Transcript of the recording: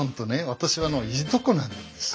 私はいとこなんですよ。